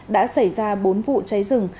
đã xảy ra bốn vụ cháy rừng